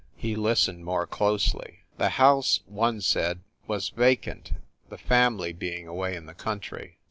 He listened more closely. The house, one said, was vacant, the family being away in the country.